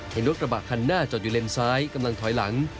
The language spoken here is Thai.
เห็นรถกระบะคันหน้าจอดอยู่เลนซ้ายกำลังถอยหลัง